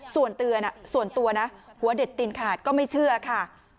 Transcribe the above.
ส่วนตัวนะหัวเด็ดตินขาดก็ไม่เชื่อค่ะ